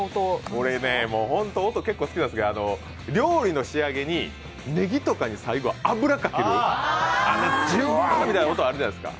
俺ね、本当音、結構好きなんですけど料理の仕上げに、ねぎとかに最後油かけるあのジュワーって音、あるじゃないですか。